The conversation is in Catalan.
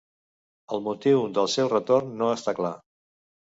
El motiu del seu retorn no està clar.